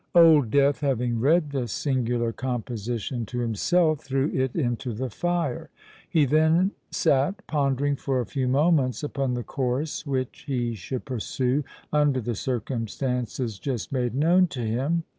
Old Death having read this singular composition to himself, threw it into the fire. He then sate pondering for a few moments upon the course which he should pursue under the circumstances just made known to him.